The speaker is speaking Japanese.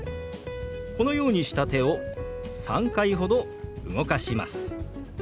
このようにした手を３回ほど動かします。